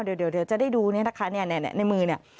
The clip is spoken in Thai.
เดี๋ยวจะได้ดูในมือนี่นะคะ